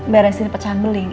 beresin pecahan beling